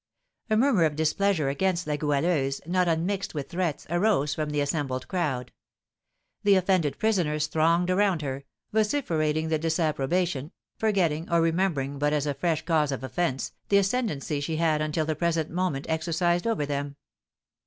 A murmur of displeasure against La Goualeuse, not unmixed with threats, arose from the assembled crowd. The offended prisoners thronged around her, vociferating their disapprobation, forgetting, or remembering but as a fresh cause of offence, the ascendency she had until the present moment exercised over them.